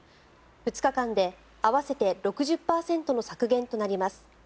２日間で合わせて６０％の削減となります。